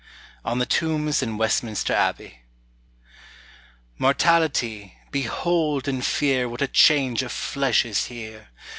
ON THE TOMBS IN WESTMINSTER ABBEY. Mortality, behold and fear What a change of flesh is here!